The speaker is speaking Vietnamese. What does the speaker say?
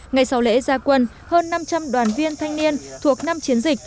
ngày sau lễ gia quân hơn năm trăm linh đoàn viên thanh niên thuộc năm chiến dịch